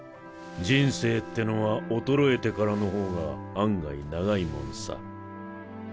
人生ってのは衰えてからのほうが案外長いもんさ。